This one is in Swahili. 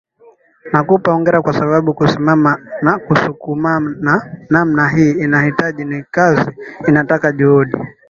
nakupa hongera kwa sababu kusimama na kusukumana namna hii inahitaji ni kazi inataka juhudi